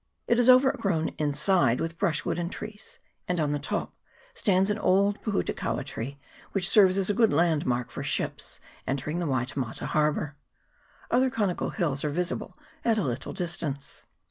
It is overgrown inside with brushwood and trees, and on the top stands an old pohutukaua tree, u 2 292 MANUKAO HARBOUR. [PART II. which serves as a good landmark for ships entering Waitemata harbour. Other conical hills are visible at a little distance.